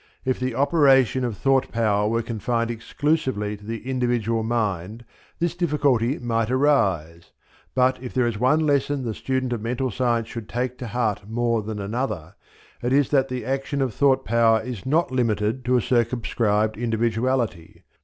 If the operation of thought power were confined exclusively to the individual mind this difficulty might arise; but if there is one lesson the student of Mental Science should take to heart more than another, it is that the action of thought power is not limited to a circumscribed individuality.